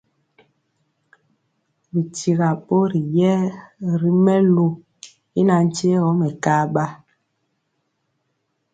Bi tyira bori rɛye ri melu y nantye gɔ mɛkaba.